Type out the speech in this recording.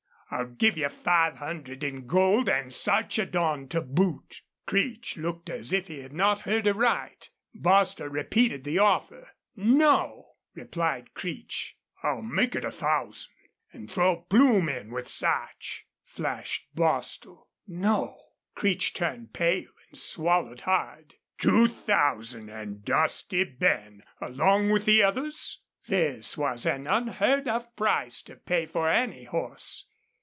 I'll give you five hundred in gold an' Sarchedon to boot." Creech looked as if he had not heard aright. Bostil repeated the offer. "No," replied Creech. "I'll make it a thousand an' throw Plume in with Sarch," flashed Bostil. "No!" Creech turned pale and swallowed hard. "Two thousand an' Dusty Ben along with the others?" This was an unheard of price to pay for any horse.